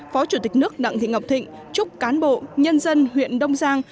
phó chủ tịch nước đặng thị ngọc thịnh chúc cán bộ nhân dân huyện đông giang